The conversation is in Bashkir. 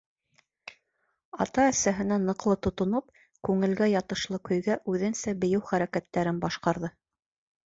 Ата-әсәһенә ныҡлы тотоноп, күңелгә ятышлы көйгә үҙенсә бейеү хәрәкәттәрен башҡарҙы.